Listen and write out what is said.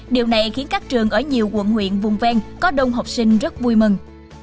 điều này khiến các trường ở nhiều quận huyện vùng ven có đông học sinh rất vui mừng